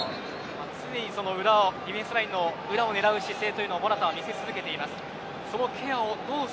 常にディフェンスラインの裏を狙う姿勢をモラタは見せ続けています。